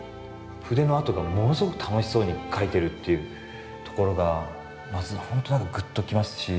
筆の跡がものすごく楽しそうに描いてるっていうところがまずほんとグッときますし。